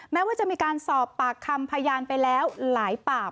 แม้ว่าจะมีการสอบปากคำพยานไปแล้วหลายปาก